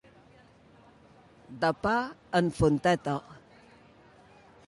De pa en fonteta.